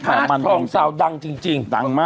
ฮัตครองสาวดังจริง